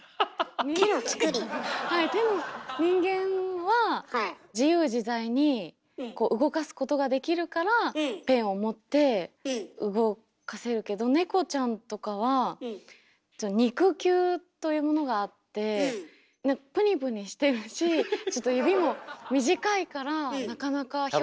はい手を人間は自由自在にこう動かすことができるからペンを持って動かせるけどネコちゃんとかは肉球というものがあってプニプニしてるしちょっと指も短いからなかなか表現。